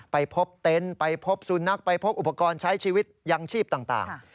ไปพบเต็นต์ไปพบสุนัขไปพบอุปกรณ์ใช้ชีวิตยังชีพต่าง